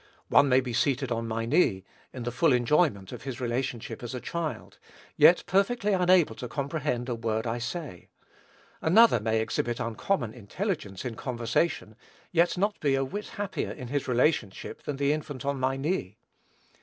One may be seated on my knee, in the full enjoyment of his relationship as a child, yet perfectly unable to comprehend a word I say; another may exhibit uncommon intelligence in conversation, yet not be a whit happier in his relationship than the infant on my knee.